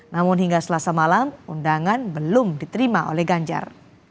namun hingga selasa malam undangan belum diterima oleh ganjar